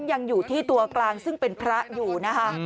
ยังอยู่ที่ตัวกลางซึ่งเป็นพระอยู่นะคะ